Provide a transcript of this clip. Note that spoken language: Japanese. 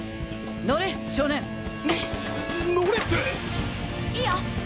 乗れ少年！の乗れって！いいよ！